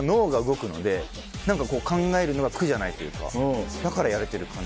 考えるのが苦じゃないというかだからやれてる感じですね。